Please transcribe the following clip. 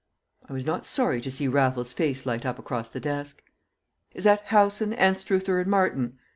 I was not sorry to see Raffles's face light up across the desk. "Is that Howson, Anstruther and Martin?